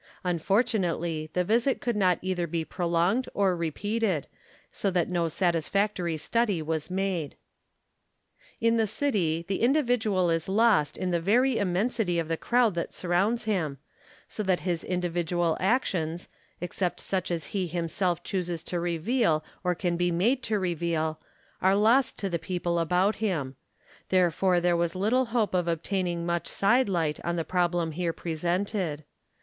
Unfortunately, the visit could not either be prolonged or repeated, so that no satisfactory study was made. In the city, the individual is lost in the very im mensity of the crowd that surrounds him, so that his 88 THE KALLIKAK FAMILY individual actions, except such as he himself chooses to reveal or can be made to reveal, are lost to the people about him ; therefore there was little hope of obtaining much side light on the problem here presented.